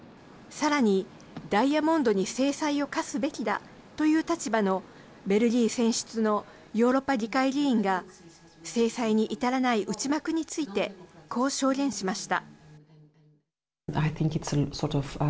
さらにダイヤモンドに制裁を科すべきだという立場のベルギー選出のヨーロッパ議会議員が制裁に至らない内幕についてこう証言しました。